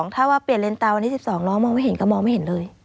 ถ้าว่าเปลี่ยนเลนตาวันที่๑๒น้องมองไม่เห็นก็มองไม่เห็นเลย